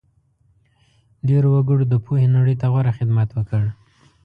ډېرو وګړو د پوهې نړۍ ته غوره خدمت وکړ.